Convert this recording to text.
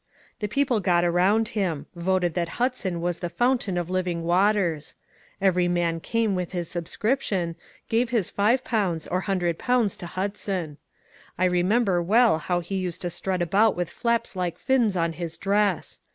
The people got around him — voted that Hudson was the fountain of living waters. Every man came with his subscription, — gave his five pounds or hun dred pounds to Hudson. I remember well how he used to strut about with flaps like fins on his dress.